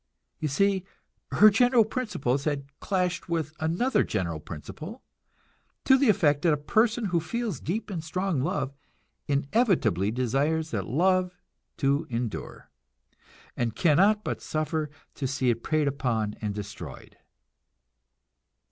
You see, her general principles had clashed with another general principle, to the effect that a person who feels deep and strong love inevitably desires that love to endure, and cannot but suffer to see it preyed upon and destroyed.